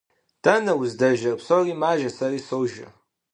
– Дэнэ уздэжэр? – Псори мажэри сэри сожэ.